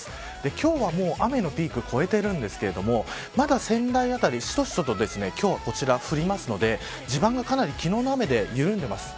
今日はもう、雨のピークを越えているんですけどまだ仙台辺りしとしとと今日は降りますので地盤がかなり昨日の雨で緩んでいます。